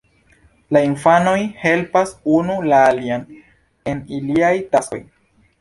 La infanoj helpas unu la alian en iliaj taskoj.